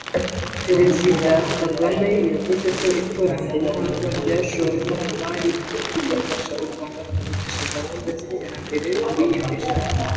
Perezida Kagame yavuze ko ikoranabuhanga ryashowemo imari bigafasha u Rwanda kwihutisha gahunda z’iterambere rwiyemeje